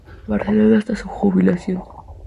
Barcelona, hasta su jubilación.